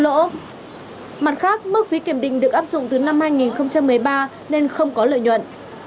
lỗ mặt khác mức phí kiểm định được áp dụng từ năm hai nghìn một mươi ba nên không có lợi nhuận